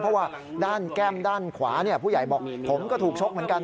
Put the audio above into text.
เพราะว่าด้านแก้มด้านขวาผู้ใหญ่บอกผมก็ถูกชกเหมือนกัน